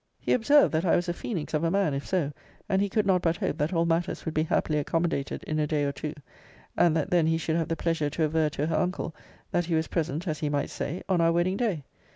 He observed, that I was a phoenix of a man, if so; and he could not but hope that all matters would be happily accommodated in a day or two; and that then he should have the pleasure to aver to her uncle, that he was present, as he might say, on our wedding day.